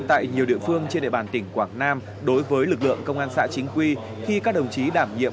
tại nhiều địa phương trên địa bàn tỉnh quảng nam đối với lực lượng công an xã chính quy khi các đồng chí đảm nhiệm